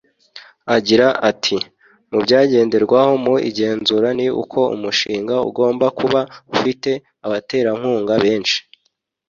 Agira ati “Mu byagenderwaho mu igenzura ni uko umushinga ugomba kuba ufite abaterankunga benshi